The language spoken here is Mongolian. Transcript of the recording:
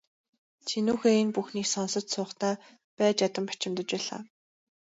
Чинүүхэй энэ бүхнийг сонсож суухдаа байж ядан бачимдаж байлаа.